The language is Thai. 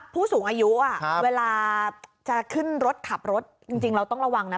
ผู้สูงอายุเวลาจะขึ้นรถขับรถจริงเราต้องระวังนะ